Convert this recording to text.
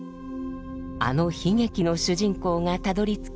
あの悲劇の主人公がたどりつき